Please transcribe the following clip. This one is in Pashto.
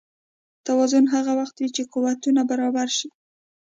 توازن هغه وخت وي چې قوتونه برابر شي.